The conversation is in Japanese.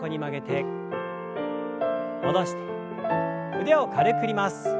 腕を軽く振ります。